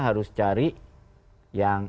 harus cari yang